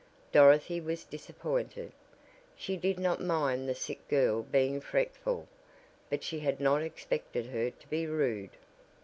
Dorothy was disappointed. She did not mind the sick girl being fretful, but she had not expected her to be rude.